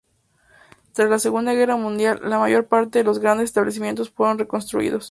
Tras la Segunda Guerra Mundial, la mayor parte de los grandes establecimientos fueron reconstruidos.